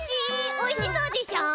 おいしそうでしょ！